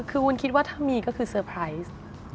คือวุ้นคิดว่าถ้ามีก็คือเซอร์ไพรส์